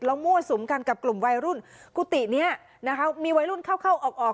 แล้วมั่วสุมกันกับกลุ่มวัยรุ่นกุฏินี้นะคะมีวัยรุ่นเข้าเข้าออกออก